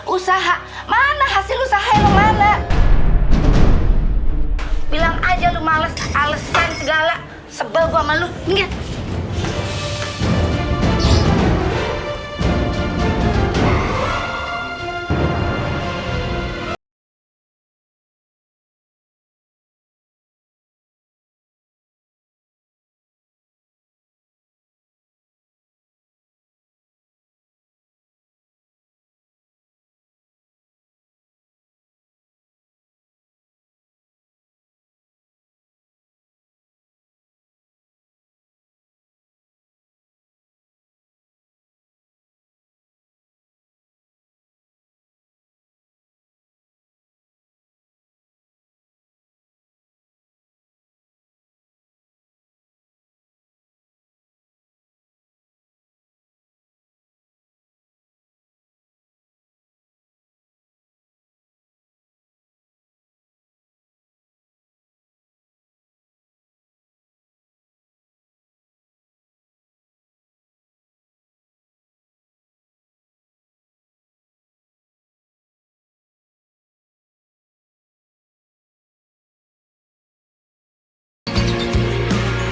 usaha mana hasil usaha yang mana bilang aja lu males alesan segala sebelum lu nggak